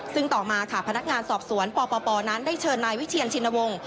ซึ่งต่อมาค่ะพนักงานสอบสวนปปนั้นได้เชิญนายวิเชียนชินวงศ์